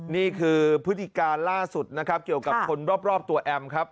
นี่คือพฤติกาล่าสุดเกี่ยวกับคนรอบตัวแอมป์ครับ